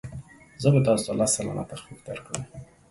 زه به تاسو ته لس سلنه تخفیف درکړم.